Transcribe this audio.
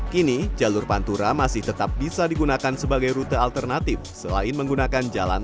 kini jalur pantura masih tetap bisa digunakan sebagai rute alternatif selain menggunakan jalan